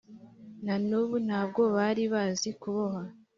na n’ubu ntabwo bari bazi kuboha